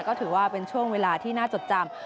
ก็ถือว่าเป็นช่วงเวลาที่น่าจดจำ